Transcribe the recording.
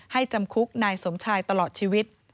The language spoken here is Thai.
จำคุกนายสมชายตลอดชีวิต